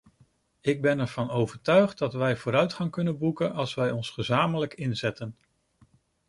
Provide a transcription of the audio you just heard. Ik ben ervan overtuigd dat wij vooruitgang kunnen boeken als wij ons gezamenlijk inzetten.